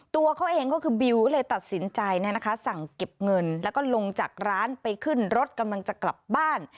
ตัวเขาเองก็คือบิวก็เลยตัดสินใจสั่งเก็บเงินแล้วก็ลงจากร้านไปขึ้นรถกำลังจะกลับบ้าน